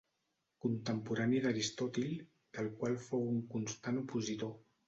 Contemporani d'Aristòtil, del qual fou un constant opositor.